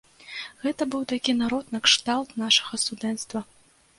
Гэта быў такі народ накшталт нашага студэнцтва.